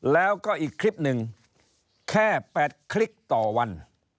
แล้วก็อีกคลิปหนึ่งแค่๘คลิปต่อวัน